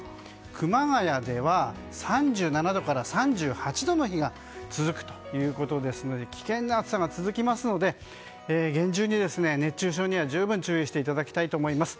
熊谷では３７度から３８度の日が続くということですので危険な暑さが続きますので、厳重に熱中症には十分注意していただきたいと思います。